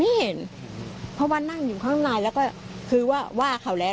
ไม่เห็นเพราะว่านั่งอยู่ข้างในแล้วก็คือว่าว่าเขาแล้ว